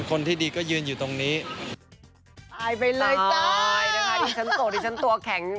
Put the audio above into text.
คนที่ดีก็ยืนอยู่ตรงนี้ตายไปเลยจ้าตายนะคะดิฉันโสดดิฉันตัวแข็ง